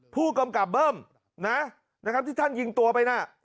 ผู้กำกัดเบิร์นที่ท่านยิงตัวไปนะ